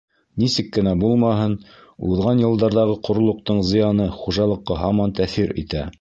Нисек кенә булмаһын, уҙған йылдарҙағы ҡоролоҡтоң зыяны хужалыҡҡа һаман тәьҫир итә.